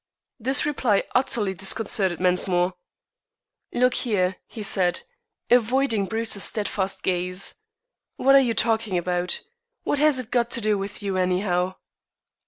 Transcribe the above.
This reply utterly disconcerted Mensmore. "Look here," he said, avoiding Bruce's steadfast gaze, "what are you talking about? What has it got to do with you, anyhow?"